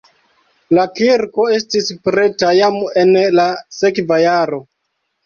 La kirko estis preta jam en la sekva jaro.